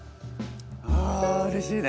あうれしいね。